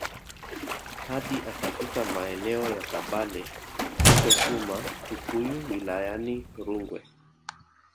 hadi akafika maeneo ya kabale huko suma tukuyu wilayani rungwe